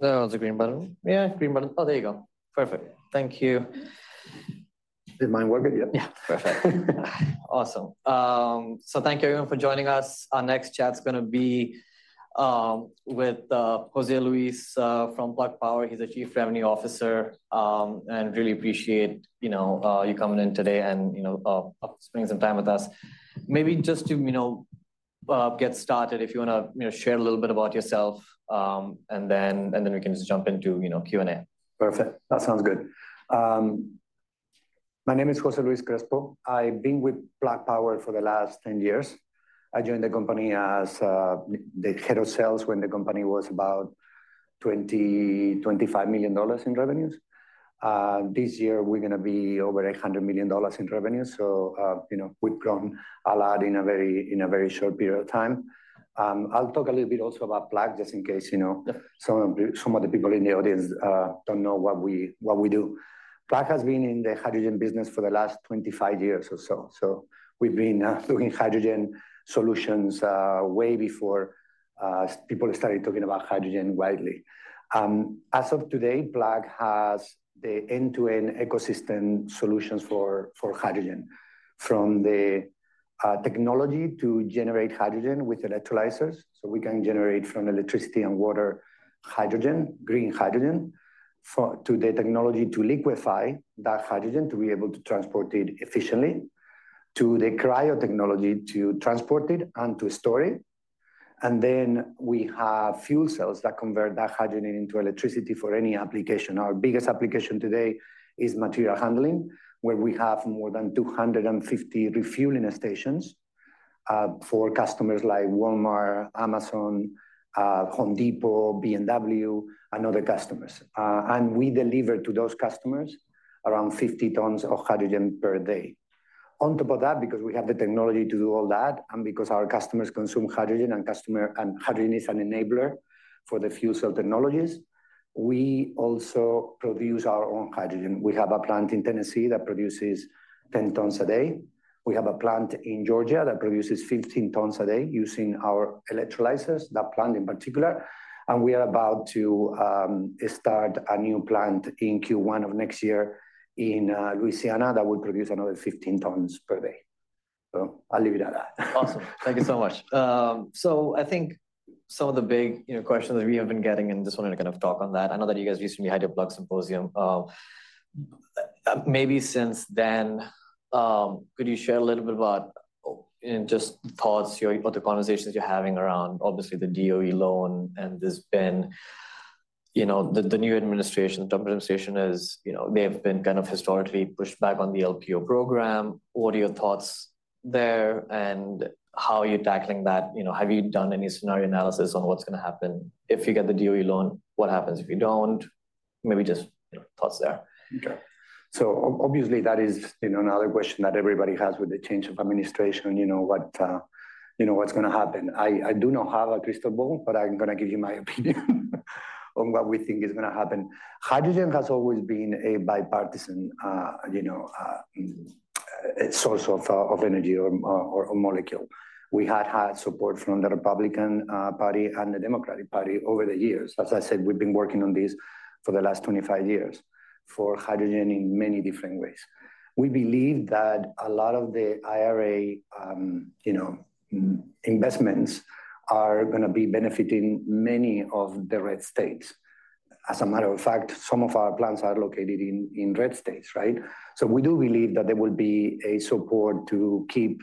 Hello? That was a green button. Yeah, green button. Oh, there you go. Perfect. Thank you. Did mine work? Yeah. Yeah. Perfect. Awesome. So thank you everyone for joining us. Our next chat's going to be with José Luis from Plug Power. He's a Chief Revenue Officer. And really appreciate you coming in today and spending some time with us. Maybe just to get started, if you want to share a little bit about yourself, and then we can just jump into Q&A. Perfect. That sounds good. My name is Jose Luis Crespo. I've been with Plug Power for the last 10 years. I joined the company as the head of sales when the company was about $20 million-$25 million in revenues. This year, we're going to be over $800 million in revenue. So we've grown a lot in a very short period of time. I'll talk a little bit also about Plug, just in case some of the people in the audience don't know what we do. Plug has been in the hydrogen business for the last 25 years or so. So we've been doing hydrogen solutions way before people started talking about hydrogen widely. As of today, Plug has the end-to-end ecosystem solutions for hydrogen, from the technology to generate hydrogen with electrolyzers. So we can generate from electricity and water hydrogen, green hydrogen, to the technology to liquefy that hydrogen to be able to transport it efficiently, to the cryo technology to transport it and to store it. And then we have fuel cells that convert that hydrogen into electricity for any application. Our biggest application today is material handling, where we have more than 250 refueling stations for customers like Walmart, Amazon, Home Depot, BMW, and other customers. And we deliver to those customers around 50 tons of hydrogen per day. On top of that, because we have the technology to do all that, and because our customers consume hydrogen and hydrogen is an enabler for the fuel cell technologies, we also produce our own hydrogen. We have a plant in Tennessee that produces 10 tons a day. We have a plant in Georgia that produces 15 tons a day using our electrolyzers, that plant in particular, and we are about to start a new plant in Q1 of next year in Louisiana that will produce another 15 tons per day, so I'll leave it at that. Awesome. Thank you so much. So I think some of the big questions we have been getting, and just wanted to kind of talk on that. I know that you guys recently had your Plug Symposium. Maybe since then, could you share a little bit about just thoughts or the conversations you're having around, obviously, the DOE loan and this win, the new administration, the Trump administration. They've been kind of historically pushed back on the LPO program. What are your thoughts there? And how are you tackling that? Have you done any scenario analysis on what's going to happen? If you get the DOE loan, what happens if you don't? Maybe just thoughts there. Okay. So obviously, that is another question that everybody has with the change of administration, what's going to happen. I do not have a crystal ball, but I'm going to give you my opinion on what we think is going to happen. Hydrogen has always been a bipartisan source of energy or molecule. We have had support from the Republican Party and the Democratic Party over the years. As I said, we've been working on this for the last 25 years for hydrogen in many different ways. We believe that a lot of the IRA investments are going to be benefiting many of the red states. As a matter of fact, some of our plants are located in red states, right? So we do believe that there will be a support to keep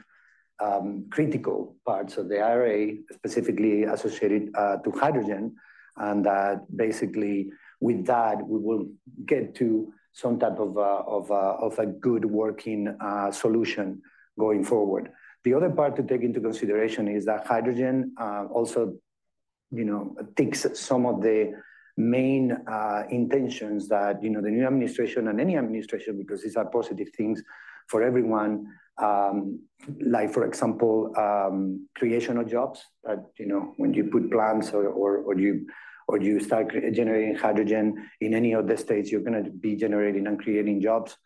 critical parts of the IRA specifically associated to hydrogen, and that basically with that, we will get to some type of a good working solution going forward. The other part to take into consideration is that hydrogen also takes some of the main intentions that the new administration and any administration, because these are positive things for everyone, like, for example, creation of jobs. When you put plants or you start generating hydrogen in any of the states, you're going to be generating and creating jobs.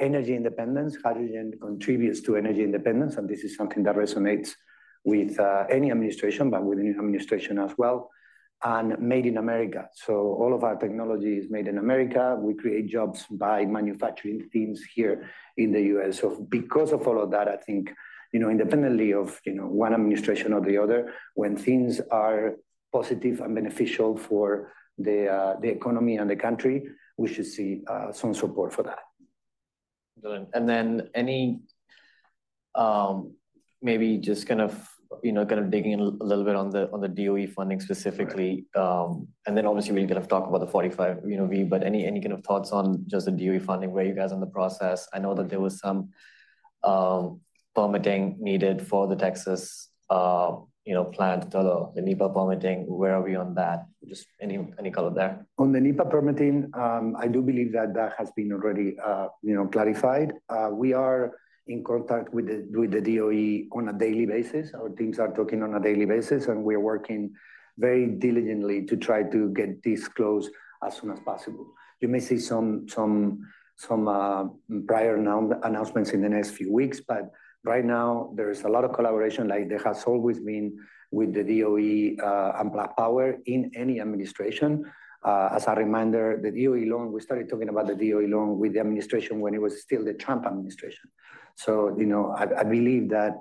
Energy independence, hydrogen contributes to energy independence, and this is something that resonates with any administration, but with the new administration as well, and made in America. So all of our technology is made in America. We create jobs by manufacturing things here in the U.S. So because of all of that, I think independently of one administration or the other, when things are positive and beneficial for the economy and the country, we should see some support for that. Brilliant. And then maybe just kind of digging in a little bit on the DOE funding specifically. And then obviously, we'll kind of talk about the 45V, but any kind of thoughts on just the DOE funding, where you guys are in the process? I know that there was some permitting needed for the Texas plant, the NEPA permitting. Where are we on that? Just any color there. On the NEPA permitting, I do believe that that has been already clarified. We are in contact with the DOE on a daily basis. Our teams are talking on a daily basis, and we are working very diligently to try to get this closed as soon as possible. You may see some prior announcements in the next few weeks, but right now, there is a lot of collaboration, like there has always been with the DOE and Plug Power in any administration. As a reminder, the DOE loan, we started talking about the DOE loan with the administration when it was still the Trump administration. So I believe that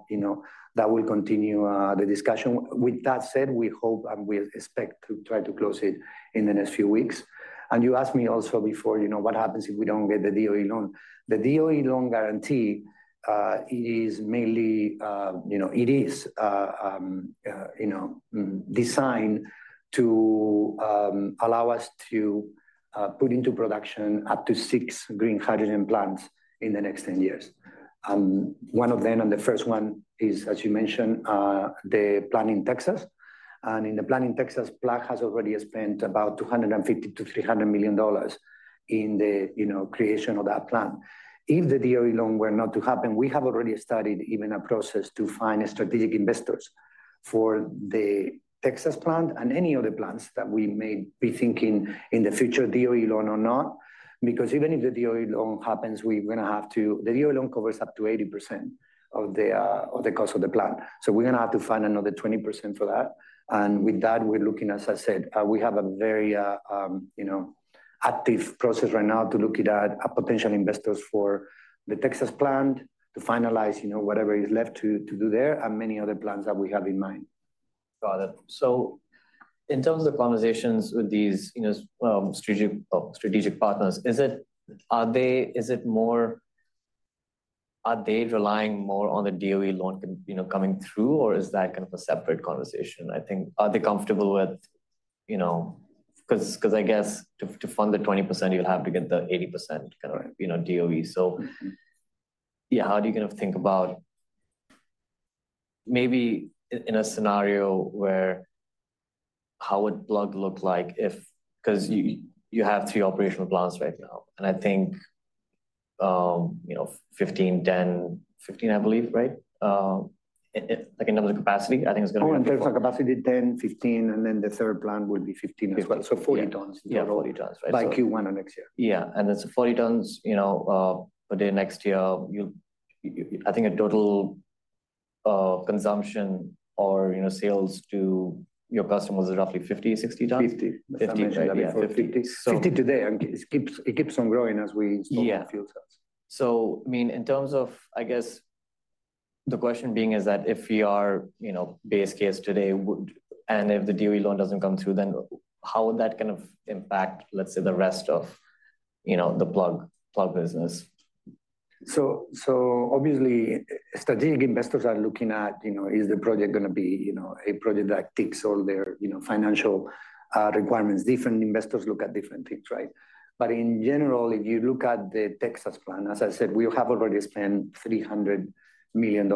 that will continue the discussion. With that said, we hope and we expect to try to close it in the next few weeks. And you asked me also before, what happens if we don't get the DOE loan? The DOE loan guarantee is mainly, it is designed to allow us to put into production up to six green hydrogen plants in the next 10 years. One of them, and the first one is, as you mentioned, the plant in Texas, and in the plant in Texas, Plug has already spent about $250 million-$300 million in the creation of that plant. If the DOE loan were not to happen, we have already started even a process to find strategic investors for the Texas plant and any other plants that we may be thinking of in the future, DOE loan or not, because even if the DOE loan happens, we're going to have to, the DOE loan covers up to 80% of the cost of the plant, so we're going to have to find another 20% for that. With that, we're looking, as I said, we have a very active process right now to look at potential investors for the Texas plant to finalize whatever is left to do there and many other plans that we have in mind. Got it. So in terms of the conversations with these strategic partners, is it more are they relying more on the DOE loan coming through, or is that kind of a separate conversation? I think, are they comfortable with, because I guess to fund the 20%, you'll have to get the 80% kind of DOE. So yeah, how do you kind of think about maybe in a scenario where, how would Plug look like if, because you have three operational plants right now, and I think 15, 10, 15, I believe, right? Like in terms of capacity, I think it's going to be. Oh, in terms of capacity, 10, 15, and then the third plant will be 15 as well. 40 tons. Yeah, 40 tons. By Q1 of next year. Yeah. And it's 40 tons. But then next year, I think a total consumption or sales to your customers is roughly 50-60 tons? 50. 50. 50. 50 today. It keeps on growing as we install the fuel cells. Yeah. So I mean, in terms of, I guess, the question being is that if we are base case today, and if the DOE loan doesn't come through, then how would that kind of impact, let's say, the rest of the Plug business? Obviously, strategic investors are looking at is the project going to be a project that ticks all their financial requirements? Different investors look at different things, right? But in general, if you look at the Texas plant, as I said, we have already spent $300 million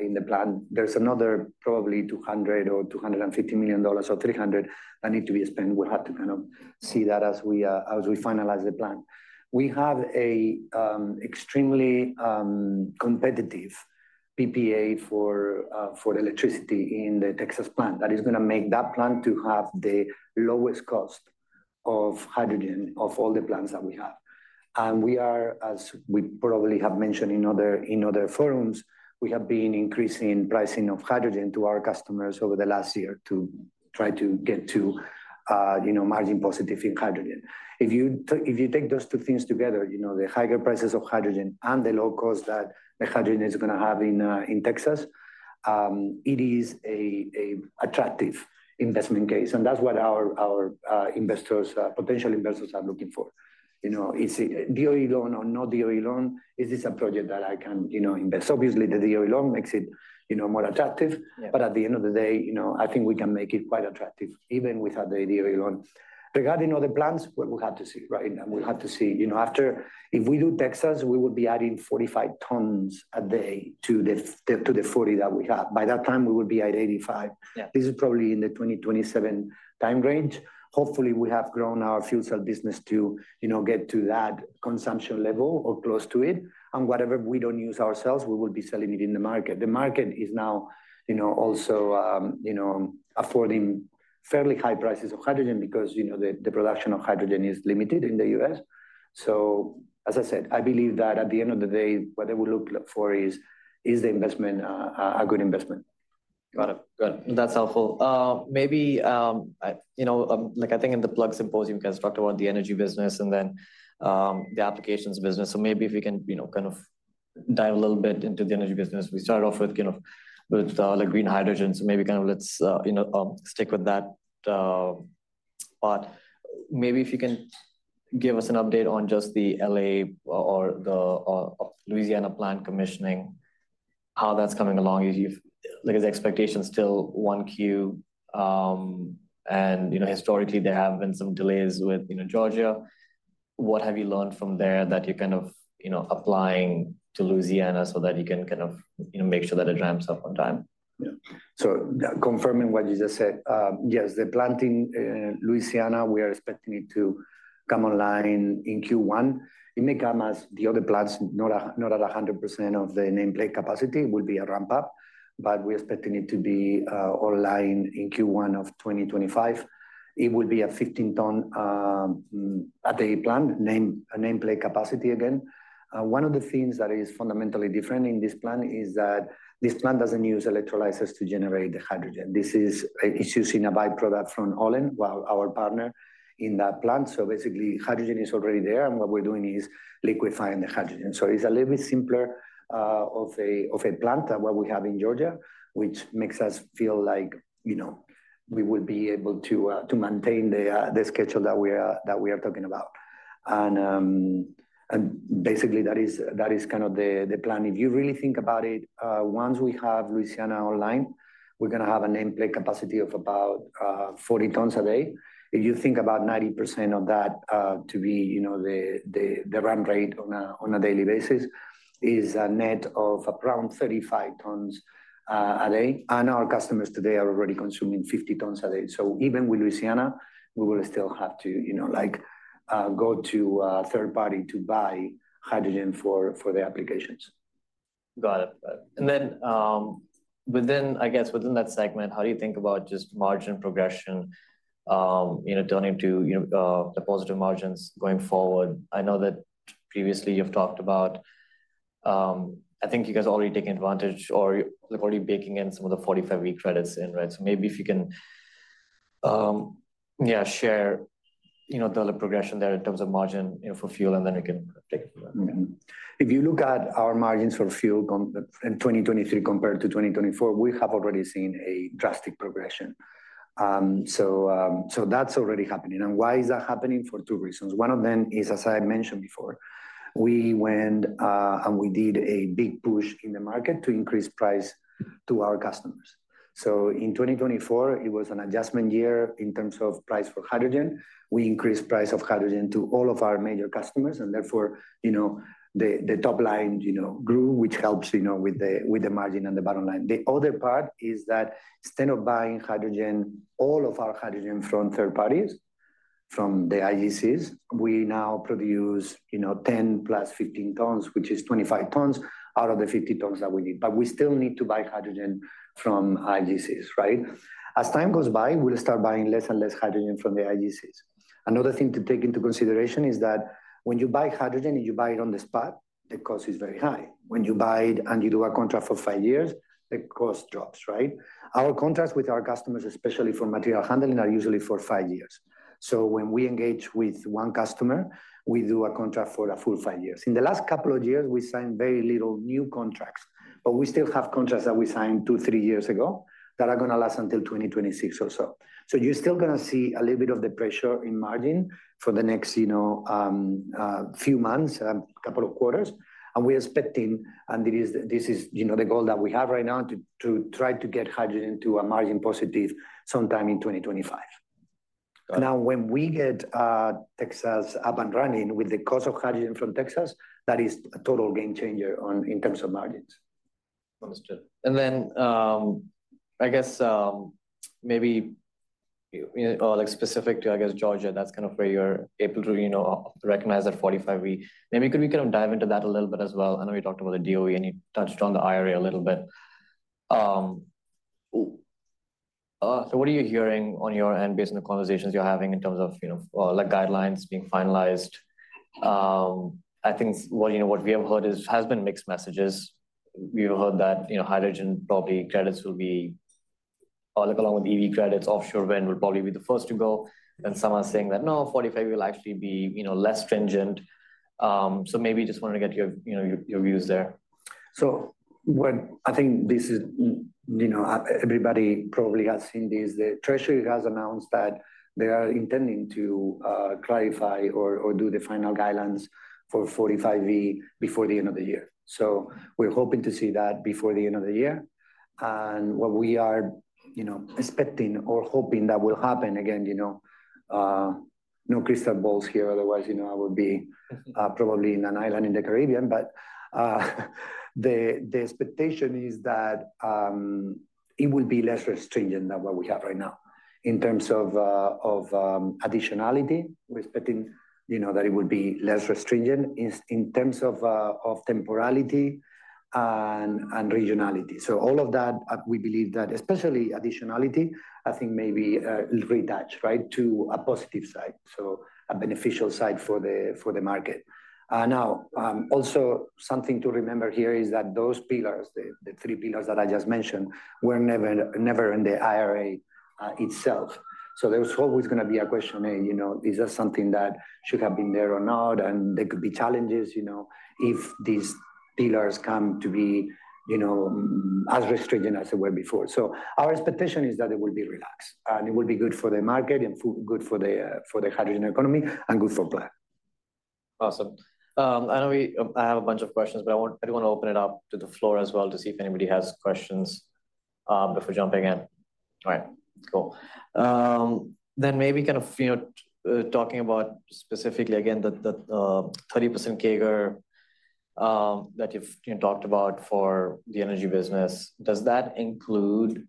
in the plant. There's another probably $200 or $250 million or $300 that need to be spent. We'll have to kind of see that as we finalize the plant. We have an extremely competitive PPA for electricity in the Texas plant that is going to make that plant have the lowest cost of hydrogen of all the plants that we have. We are, as we probably have mentioned in other forums, we have been increasing pricing of hydrogen to our customers over the last year to try to get to margin positive in hydrogen. If you take those two things together, the higher prices of hydrogen and the low cost that the hydrogen is going to have in Texas, it is an attractive investment case. And that's what our investors, potential investors, are looking for. Is it a DOE loan or no DOE loan? Is this a project that I can invest? Obviously, the DOE loan makes it more attractive. But at the end of the day, I think we can make it quite attractive even without the DOE loan. Regarding other plants, we'll have to see, right? And we'll have to see. If we do Texas, we will be adding 45 tons a day to the 40 that we have. By that time, we will be at 85. This is probably in the 2027 time range. Hopefully, we have grown our fuel cell business to get to that consumption level or close to it. And whatever we don't use ourselves, we will be selling it in the market. The market is now also affording fairly high prices of hydrogen because the production of hydrogen is limited in the U.S. So as I said, I believe that at the end of the day, what they will look for is the investment a good investment? Got it. Got it. That's helpful. Maybe I think in the Plug Symposium, you guys talked about the energy business and then the applications business. So maybe if we can kind of dive a little bit into the energy business. We started off with kind of the green hydrogen. So maybe kind of let's stick with that part. Maybe if you can give us an update on just the LA or the Louisiana plant commissioning, how that's coming along. Is the expectation still Q1? And historically, there have been some delays with Georgia. What have you learned from there that you're kind of applying to Louisiana so that you can kind of make sure that it ramps up on time? Yeah. So confirming what you just said, yes, the plant in Louisiana, we are expecting it to come online in Q1. It may come as the other plants not at 100% of the nameplate capacity. It will be a ramp-up, but we're expecting it to be online in Q1 of 2025. It will be a 15-ton-per-day plant, nameplate capacity again. One of the things that is fundamentally different in this plant is that this plant doesn't use electrolyzers to generate the hydrogen. This is using a byproduct from Olin, our partner in that plant. So basically, hydrogen is already there, and what we're doing is liquefying the hydrogen. So it's a little bit simpler of a plant than what we have in Georgia, which makes us feel like we will be able to maintain the schedule that we are talking about. And basically, that is kind of the plan. If you really think about it, once we have Louisiana online, we're going to have a nameplate capacity of about 40 tons a day. If you think about 90% of that to be the run rate on a daily basis, it's a net of around 35 tons a day. Our customers today are already consuming 50 tons a day. Even with Louisiana, we will still have to go to a third party to buy hydrogen for the applications. Got it. And then I guess within that segment, how do you think about just margin progression turning to the positive margins going forward? I know that previously you've talked about, I think you guys are already taking advantage or already baking in some of the 45V credits in, right? So maybe if you can, yeah, share the progression there in terms of margin for fuel, and then we can take it from there. If you look at our margins for fuel in 2023 compared to 2024, we have already seen a drastic progression. So that's already happening. And why is that happening? For two reasons. One of them is, as I mentioned before, we went and we did a big push in the market to increase price to our customers. So in 2024, it was an adjustment year in terms of price for hydrogen. We increased the price of hydrogen to all of our major customers, and therefore the top line grew, which helps with the margin and the bottom line. The other part is that instead of buying hydrogen, all of our hydrogen from third parties, from the IGCs, we now produce 10 plus 15 tons, which is 25 tons out of the 50 tons that we need. But we still need to buy hydrogen from IGCs, right? As time goes by, we'll start buying less and less hydrogen from the IGCs. Another thing to take into consideration is that when you buy hydrogen and you buy it on the spot, the cost is very high. When you buy it and you do a contract for five years, the cost drops, right? Our contracts with our customers, especially for material handling, are usually for five years. So when we engage with one customer, we do a contract for a full five years. In the last couple of years, we signed very little new contracts, but we still have contracts that we signed two, three years ago that are going to last until 2026 or so. So you're still going to see a little bit of the pressure in margin for the next few months, a couple of quarters. We're expecting, and this is the goal that we have right now, to try to get hydrogen to a margin positive sometime in 2025. Now, when we get Texas up and running with the cost of hydrogen from Texas, that is a total game changer in terms of margins. Understood. And then I guess maybe specific to, I guess, Georgia, that's kind of where you're able to recognize that 45V. Maybe could we kind of dive into that a little bit as well? I know you talked about the DOE, and you touched on the IRA a little bit. So what are you hearing on your end based on the conversations you're having in terms of guidelines being finalized? I think what we have heard has been mixed messages. We've heard that hydrogen property credits will be, along with EV credits, offshore wind will probably be the first to go. And some are saying that, no, 45V will actually be less stringent. So maybe just wanted to get your views there. So I think this is everybody probably has seen this. The Treasury has announced that they are intending to clarify or do the final guidelines for 45V before the end of the year. So we're hoping to see that before the end of the year. And what we are expecting or hoping that will happen, again, no crystal balls here. Otherwise, I would be probably on an island in the Caribbean. But the expectation is that it will be less stringent than what we have right now in terms of additionality. We're expecting that it will be less stringent in terms of temporality and regionality. So all of that, we believe that especially additionality, I think maybe retouch, right, to a positive side, so a beneficial side for the market. Now, also something to remember here is that those pillars, the three pillars that I just mentioned, were never in the IRA itself. So there's always going to be a question, is that something that should have been there or not? And there could be challenges if these pillars come to be as restricting as they were before. So our expectation is that it will be relaxed, and it will be good for the market and good for the hydrogen economy and good for Plug. Awesome. I know I have a bunch of questions, but I want everyone to open it up to the floor as well to see if anybody has questions before jumping in. All right. Cool. Then maybe kind of talking about specifically, again, the 30% CAGR that you've talked about for the energy business. Does that include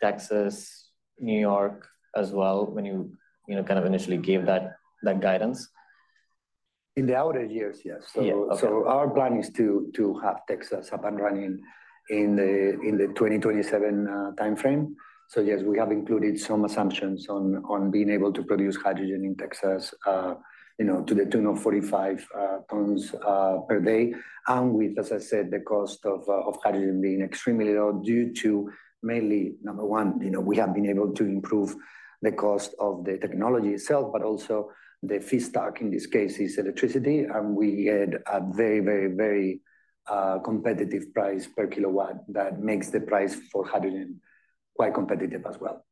Texas, New York as well when you kind of initially gave that guidance? In the outer years, yes. So our plan is to have Texas up and running in the 2027 time frame. So yes, we have included some assumptions on being able to produce hydrogen in Texas to the tune of 45 tons per day. And with, as I said, the cost of hydrogen being extremely low due to mainly, number one, we have been able to improve the cost of the technology itself, but also the feedstock, in this case, is electricity. And we had a very, very, very competitive price per kilowatt that makes the price for hydrogen quite competitive as well.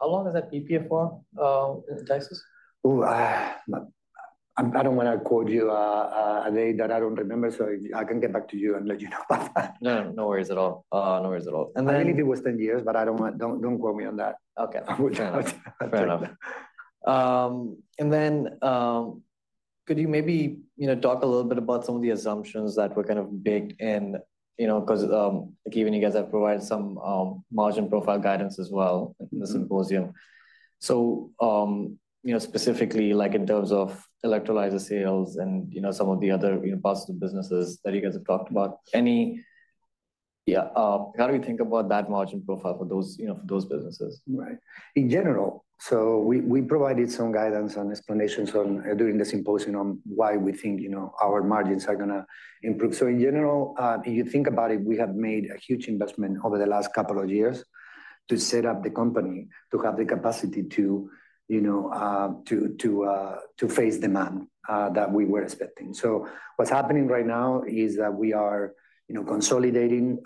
How long is that EPFR in Texas? I don't want to quote you a date that I don't remember, so I can get back to you and let you know about that. No worries at all. No worries at all. I believe it was 10 years, but don't quote me on that. Okay. Fair enough. And then could you maybe talk a little bit about some of the assumptions that were kind of baked in? Because even you guys have provided some margin profile guidance as well in the symposium. So specifically, in terms of electrolyzer sales and some of the other possible businesses that you guys have talked about, how do we think about that margin profile for those businesses? Right. In general, so we provided some guidance and explanations during the symposium on why we think our margins are going to improve. So in general, if you think about it, we have made a huge investment over the last couple of years to set up the company to have the capacity to face demand that we were expecting. So what's happening right now is that we are consolidating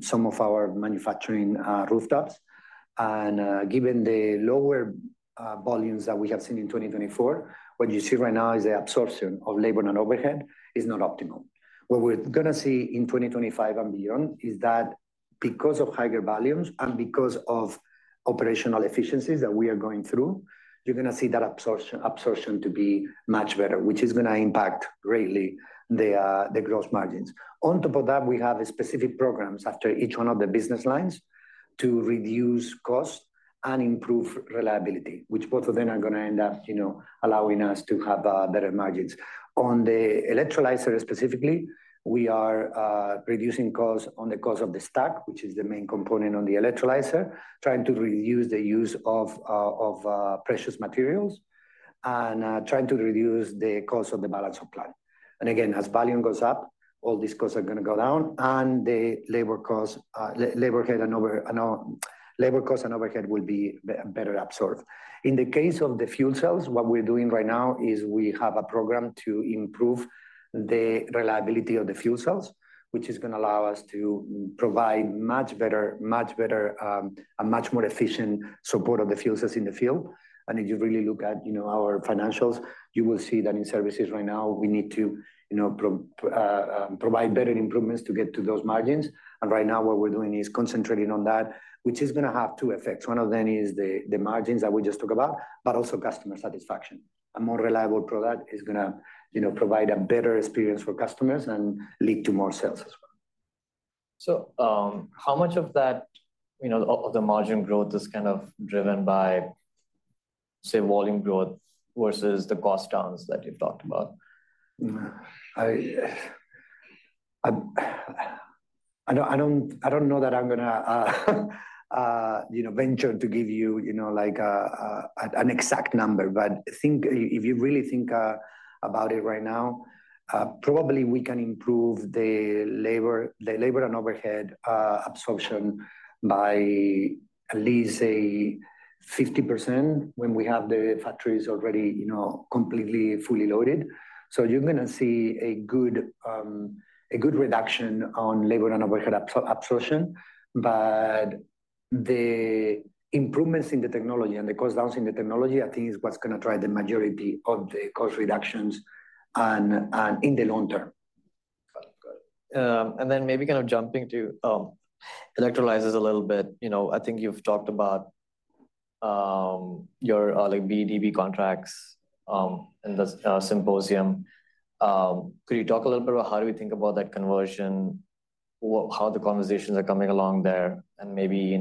some of our manufacturing rooftops. And given the lower volumes that we have seen in 2024, what you see right now is the absorption of labor and overhead is not optimal. What we're going to see in 2025 and beyond is that because of higher volumes and because of operational efficiencies that we are going through, you're going to see that absorption to be much better, which is going to impact greatly the gross margins. On top of that, we have specific programs after each one of the business lines to reduce cost and improve reliability, which both of them are going to end up allowing us to have better margins. On the electrolyzer specifically, we are reducing cost on the cost of the stack, which is the main component on the electrolyzer, trying to reduce the use of precious materials and trying to reduce the cost of the balance of plant. And again, as volume goes up, all these costs are going to go down, and the labor cost and overhead will be better absorbed. In the case of the fuel cells, what we're doing right now is we have a program to improve the reliability of the fuel cells, which is going to allow us to provide much better, much better, and much more efficient support of the fuel cells in the field. And if you really look at our financials, you will see that in services right now, we need to provide better improvements to get to those margins. And right now, what we're doing is concentrating on that, which is going to have two effects. One of them is the margins that we just talked about, but also customer satisfaction. A more reliable product is going to provide a better experience for customers and lead to more sales as well. So how much of that, of the margin growth, is kind of driven by, say, volume growth versus the cost downs that you've talked about? I don't know that I'm going to venture to give you an exact number, but I think if you really think about it right now, probably we can improve the labor and overhead absorption by at least 50% when we have the factories already completely fully loaded. So you're going to see a good reduction on labor and overhead absorption. But the improvements in the technology and the cost downs in the technology, I think, is what's going to drive the majority of the cost reductions in the long term. Got it. Got it. And then maybe kind of jumping to electrolyzers a little bit, I think you've talked about your BEDP contracts in the symposium. Could you talk a little bit about how do we think about that conversion, how the conversations are coming along there, and maybe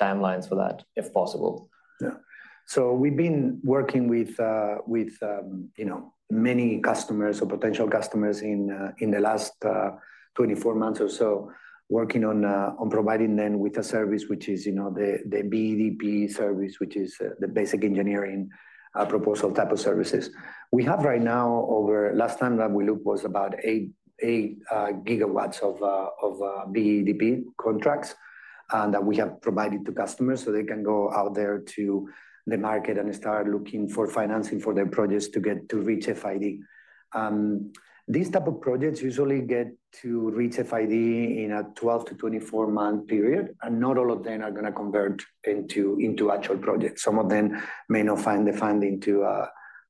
timelines for that, if possible? Yeah. So we've been working with many customers or potential customers in the last 24 months or so, working on providing them with a service, which is the BEDP service, which is the basic engineering proposal type of services. We have right now, over last time that we looked, was about eight gigawatts of BEDP contracts that we have provided to customers so they can go out there to the market and start looking for financing for their projects to get to reach FID. These types of projects usually get to reach FID in a 12- to 24-month period, and not all of them are going to convert into actual projects. Some of them may not find the funding to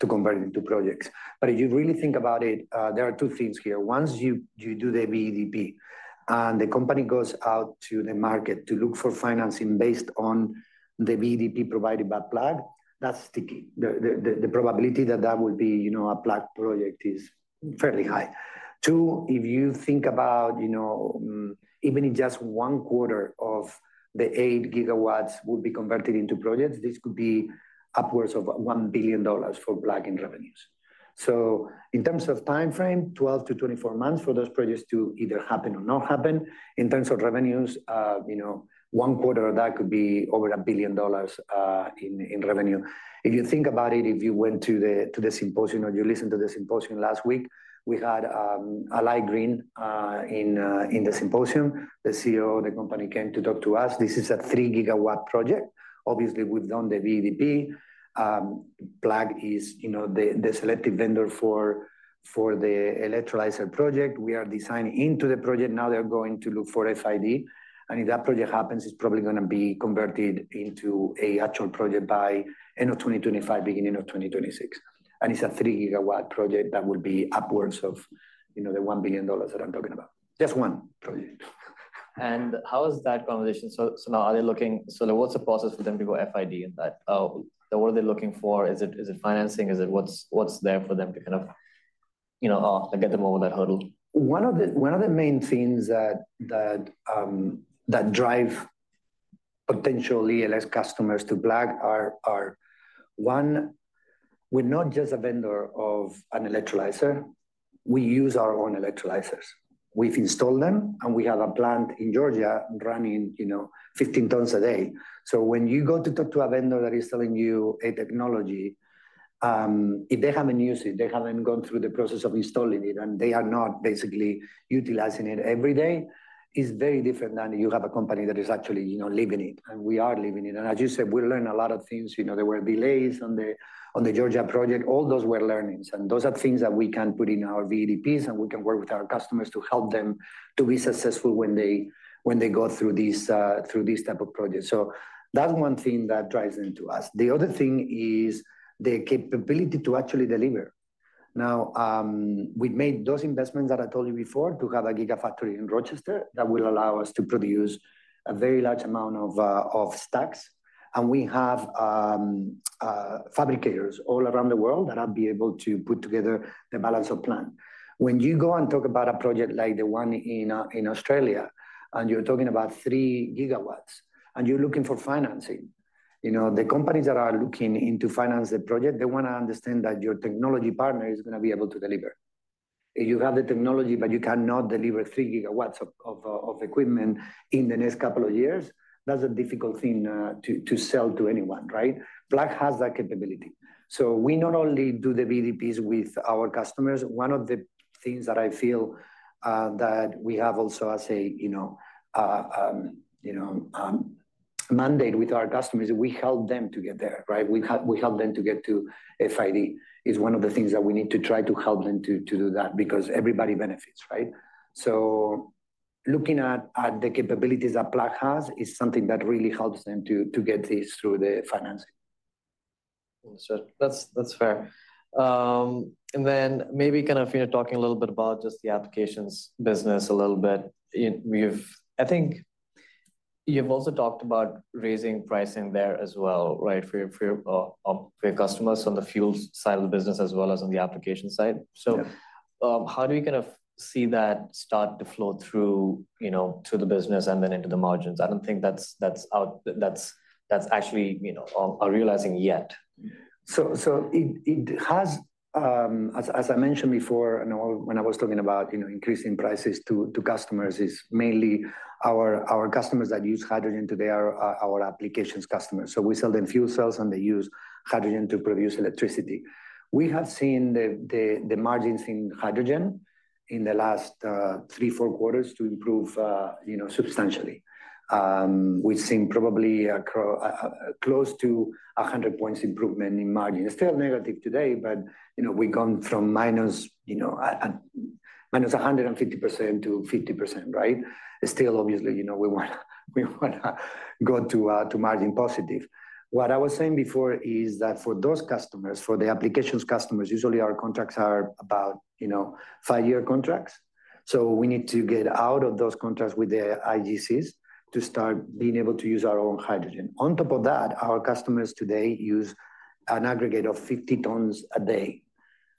convert into projects. But if you really think about it, there are two things here. Once you do the BEDP and the company goes out to the market to look for financing based on the BEDP provided by Plug, that's sticky. The probability that that will be a Plug project is fairly high. Two, if you think about even if just one quarter of the eight gigawatts will be converted into projects, this could be upwards of $1 billion for Plug in revenues. In terms of time frame, 12 to 24 months for those projects to either happen or not happen. In terms of revenues, one quarter of that could be over $1 billion in revenue. If you think about it, if you went to the symposium or you listened to the symposium last week, we had a Allied Green in the symposium. The CEO of the company came to talk to us. This is a three-GW project. Obviously, we've done the BEDP. Plug is the selective vendor for the electrolyzer project. We are designed into the project. Now they're going to look for FID, and if that project happens, it's probably going to be converted into an actual project by end of 2025, beginning of 2026, and it's a three-GW project that will be upwards of the $1 billion that I'm talking about. Just one project. And how is that conversation? So now are they looking? So what's the process for them to go FID in that? What are they looking for? Is it financing? What's there for them to kind of get them over that hurdle? One of the main things that drive potential ELS customers to Plug are, one, we're not just a vendor of an electrolyzer. We use our own electrolyzers. We've installed them, and we have a plant in Georgia running 15 tons a day. So when you go to talk to a vendor that is selling you a technology, if they haven't used it, they haven't gone through the process of installing it, and they are not basically utilizing it every day, it's very different than you have a company that is actually living it, and we are living it. And as you said, we learned a lot of things. There were delays on the Georgia project. All those were learnings. Those are things that we can put in our BEDPs, and we can work with our customers to help them to be successful when they go through this type of project. That's one thing that drives them to us. The other thing is the capability to actually deliver. Now, we've made those investments that I told you before to have a Gigafactory in Rochester that will allow us to produce a very large amount of stacks. We have fabricators all around the world that will be able to put together the balance of plant. When you go and talk about a project like the one in Australia and you're talking about three GW and you're looking for financing, the companies that are looking into financing the project, they want to understand that your technology partner is going to be able to deliver. If you have the technology, but you cannot deliver three gigawatts of equipment in the next couple of years, that's a difficult thing to sell to anyone, right? Plug has that capability. So we not only do the BEDPs with our customers. One of the things that I feel that we have also as a mandate with our customers, we help them to get there, right? We help them to get to FID. It's one of the things that we need to try to help them to do that because everybody benefits, right? So looking at the capabilities that Plug has is something that really helps them to get this through the financing. Understood. That's fair. And then maybe kind of talking a little bit about just the applications business a little bit. I think you've also talked about raising pricing there as well, right, for your customers on the fuel side of the business as well as on the application side. So how do we kind of see that start to flow through to the business and then into the margins? I don't think that's actually realizing yet. So it has, as I mentioned before, when I was talking about increasing prices to customers. It's mainly our customers that use hydrogen today are our applications customers. So we sell them fuel cells, and they use hydrogen to produce electricity. We have seen the margins in hydrogen in the last three, four quarters to improve substantially. We've seen probably close to 100 points improvement in margin. It's still negative today, but we've gone from -150% to 50%, right? Still, obviously, we want to go to margin positive. What I was saying before is that for those customers, for the applications customers, usually our contracts are about five-year contracts. So we need to get out of those contracts with the IGCs to start being able to use our own hydrogen. On top of that, our customers today use an aggregate of 50 tons a day.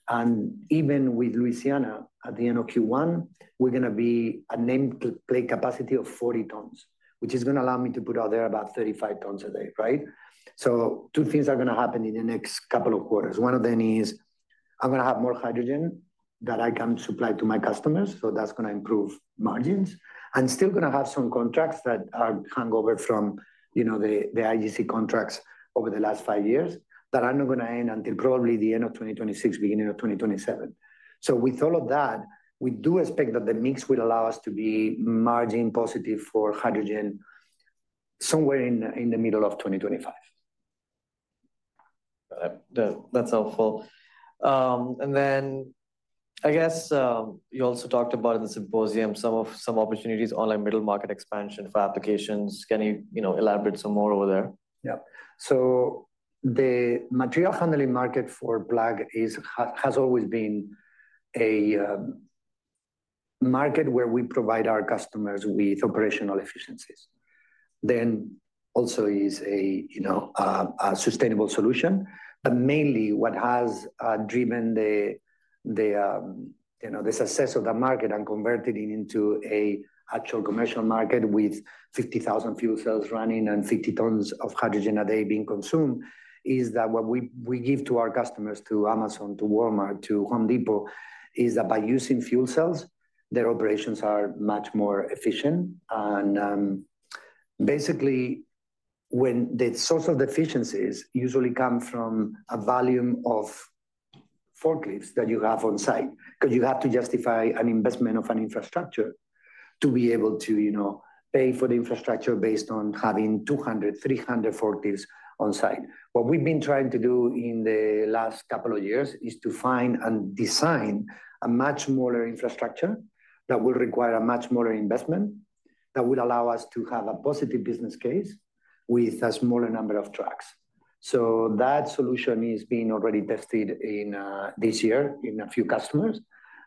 And even with Louisiana at the end of Q1, we're going to be at nameplate capacity of 40 tons, which is going to allow me to put out there about 35 tons a day, right? So two things are going to happen in the next couple of quarters. One of them is I'm going to have more hydrogen that I can supply to my customers. So that's going to improve margins. I'm still going to have some contracts that are hung over from the IGC contracts over the last five years that are not going to end until probably the end of 2026, beginning of 2027. So with all of that, we do expect that the mix will allow us to be margin positive for hydrogen somewhere in the middle of 2025. Got it. That's helpful. And then I guess you also talked about in the symposium some opportunities on a middle market expansion for applications. Can you elaborate some more over there? Yeah. So the material handling market for Plug has always been a market where we provide our customers with operational efficiencies. Then also is a sustainable solution. But mainly what has driven the success of that market and converted it into an actual commercial market with 50,000 fuel cells running and 50 tons of hydrogen a day being consumed is that what we give to our customers, to Amazon, to Walmart, to Home Depot, is that by using fuel cells, their operations are much more efficient. And basically, when the source of deficiencies usually come from a volume of forklifts that you have on site, because you have to justify an investment of an infrastructure to be able to pay for the infrastructure based on having 200, 300 forklifts on site. What we've been trying to do in the last couple of years is to find and design a much smaller infrastructure that will require a much smaller investment that will allow us to have a positive business case with a smaller number of trucks. So that solution is being already tested this year in a few customers.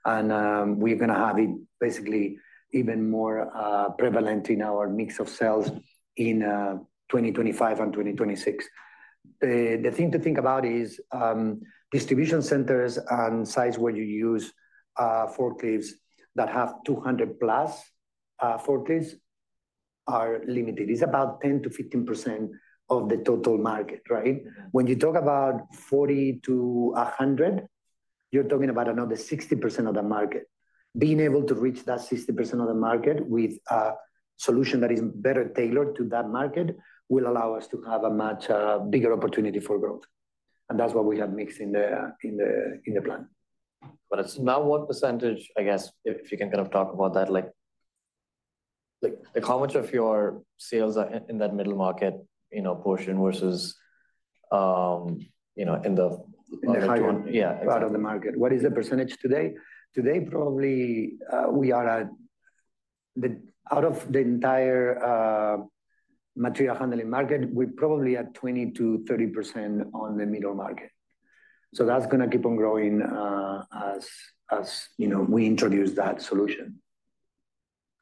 And we're going to have it basically even more prevalent in our mix of cells in 2025 and 2026. The thing to think about is distribution centers and sites where you use forklifts that have 200-plus forklifts are limited. It's about 10%-15% of the total market, right? When you talk about 40-100, you're talking about another 60% of the market. Being able to reach that 60% of the market with a solution that is better tailored to that market will allow us to have a much bigger opportunity for growth, and that's what we have mixed in the plan. Got it. Now, what percentage, I guess, if you can kind of talk about that, how much of your sales are in that middle market portion versus in the higher part of the market? What is the percentage today? Today, probably we are at out of the entire material handling market, we're probably at 20%-30% on the middle market. So that's going to keep on growing as we introduce that solution.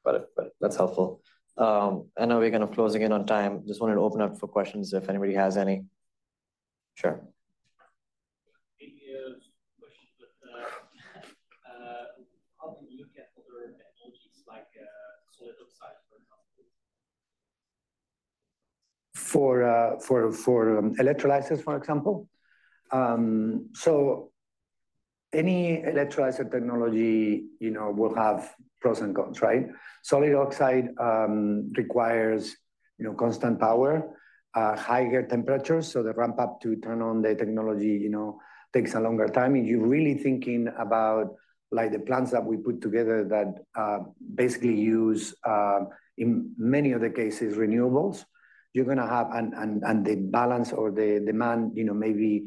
Got it. Got it. That's helpful. I know we're going to be closing in on time. Just wanted to open up for questions if anybody has any. Sure. Any questions with that? How do you look at other technologies like solid oxide, for example? For electrolyzers, for example? So any electrolyzer technology will have pros and cons, right? Solid oxide requires constant power, higher temperatures. So the ramp-up to turn on the technology takes a longer time. If you're really thinking about the plants that we put together that basically use, in many of the cases, renewables, you're going to have and the balance or the demand may be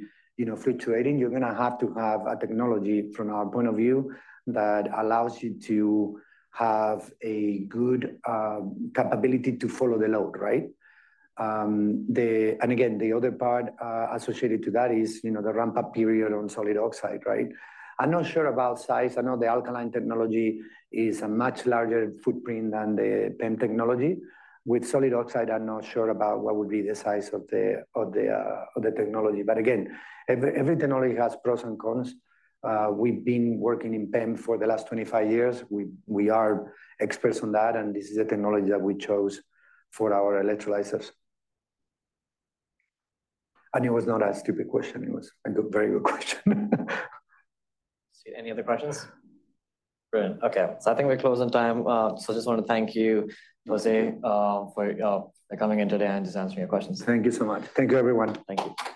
fluctuating. You're going to have to have a technology, from our point of view, that allows you to have a good capability to follow the load, right? And again, the other part associated to that is the ramp-up period on solid oxide, right? I'm not sure about size. I know the alkaline technology is a much larger footprint than the PEM technology. With solid oxide, I'm not sure about what would be the size of the technology. But again, every technology has pros and cons. We've been working in PEM for the last 25 years. We are experts on that, and this is the technology that we chose for our electrolyzers. And it was not a stupid question. It was a very good question. Any other questions? Brilliant. Okay. So I think we're closing time. So I just want to thank you, José, for coming in today and just answering your questions. Thank you so much. Thank you, everyone. Thank you.